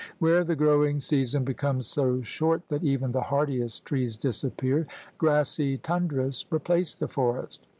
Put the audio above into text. Where the growing season becomes so short that even the hardiest trees disappear, grassy tundras replace the forest.